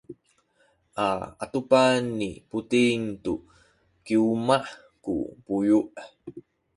a adupan ni Buting tu kiwmah ku buyu’.